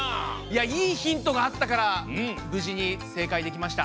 いやいいヒントがあったからぶじにせいかいできました！